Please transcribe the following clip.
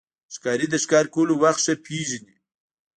ښکاري د ښکار کولو وخت ښه پېژني.